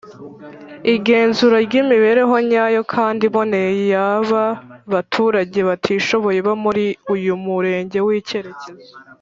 igenzura ry imibereho nyayo kandi iboneye yaba baturage batishoboye bo muri uyu murenge w’ikerekezo.